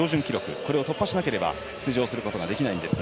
これを突破しなければ出場することができないんですが。